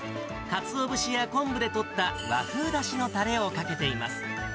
かつお節や昆布でとった和風だしのたれをかけています。